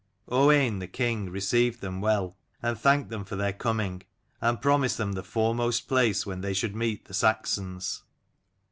Owain the king received them well, and thanked them for their coming, and promised them the foremost place when they should meet the Saxons.